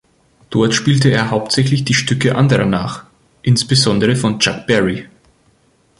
Dort spielte er hauptsächlich die Stücke Anderer nach, insbesondere von Chuck Berry.